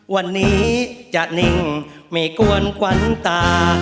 วันนี้ไม่มีใครนะครับ